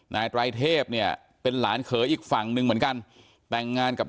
นายไตรเทพเนี่ยเป็นหลานเขยอีกฝั่งหนึ่งเหมือนกันแต่งงานกับ